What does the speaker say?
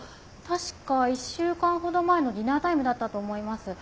確か１週間ほど前のディナータイムだったと思います。